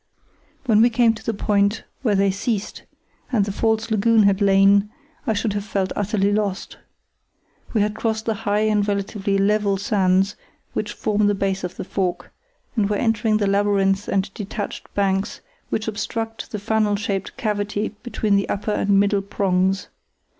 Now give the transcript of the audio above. When we came to the point where they ceased, and the false lagoon had lain, I should have felt utterly lost. We had crossed the high and relatively level sands which form the base of the Fork, and were entering the labyrinth of detached banks which obstruct the funnel shaped cavity between the upper and middle prongs.